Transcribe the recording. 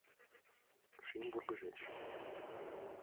Шӱм вургыжеш.